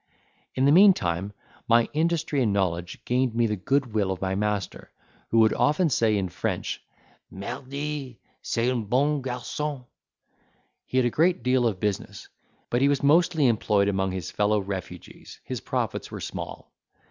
In the meantime, my industry and knowledge gained me the goodwill of my master, who would often say in French, "Mardy! c'est un bon garçon." He had a great deal of business; but he was mostly employed among his fellow refugees, his profits were small.